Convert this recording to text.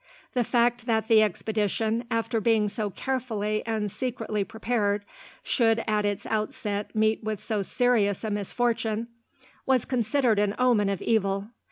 The fact that the expedition, after being so carefully and secretly prepared, should at its outset meet with so serious a misfortune, was considered an omen of evil.